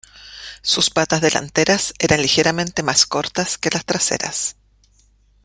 Sus patas delanteras eran ligeramente más cortas que las traseras.